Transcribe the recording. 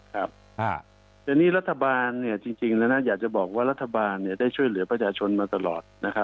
แต่นี่รัฐบาลจริงแล้วอยากจะบอกว่ารัฐบาลได้ช่วยเหลือประชาชนมาตลอด